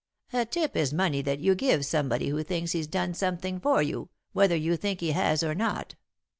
"A tip is money that you give somebody who thinks he's done something for you, whether you think he has or not."